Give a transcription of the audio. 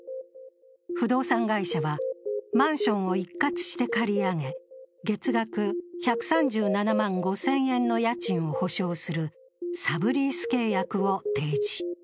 不動産会社はマンションを一括して借り上げ月額１３７万５０００円の家賃を保証するサブリース契約を提示。